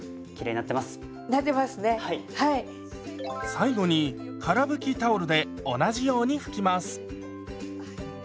最後にから拭きタオルで同じように拭きます。